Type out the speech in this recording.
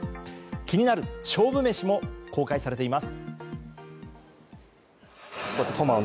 気になる勝負メシも公開されています。